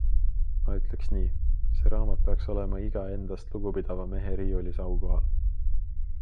Ma ütleks nii - see raamat peaks olema iga endast lugupidava mehe riiulis aukohal.